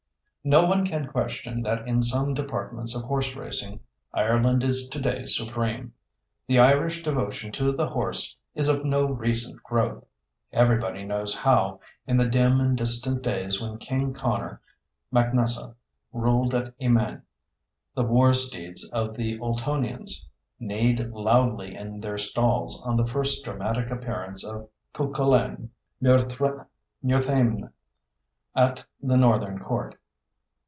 No one can question that in some departments of horse racing Ireland is today supreme. The Irish devotion to the horse is of no recent growth. Everybody knows how, in the dim and distant days when King Conor macNessa ruled at Emain, the war steeds of the Ultonians neighed loudly in their stalls on the first dramatic appearance of Cuchulainn of Muirthemne at the northern court.